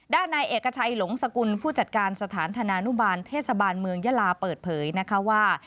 นายเอกชัยหลงสกุลผู้จัดการสถานธนานุบาลเทศบาลเมืองยาลาเปิดเผยนะคะว่า